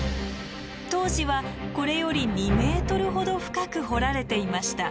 当時はこれより２ｍほど深く掘られていました。